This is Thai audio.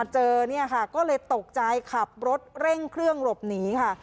เจอเนี่ยค่ะก็เลยตกใจขับรถเร่งเครื่องหลบหนีค่ะ